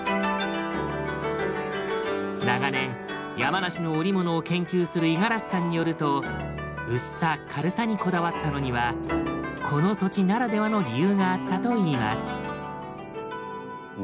長年山梨の織物を研究する五十嵐さんによると薄さ軽さにこだわったのにはこの土地ならではの理由があったといいます。